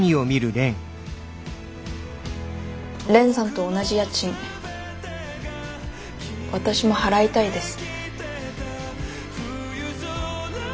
蓮さんと同じ家賃私も払いたいです。